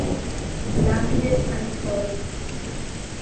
Lapide a Niccoli